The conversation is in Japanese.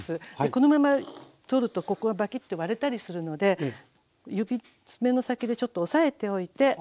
でこのまま取るとここがバキッと割れたりするので指爪の先でちょっと押さえておいて。